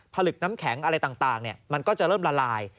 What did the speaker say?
ผลึกน้ำแข็งอะไรต่างมันก็จะเริ่มละลาย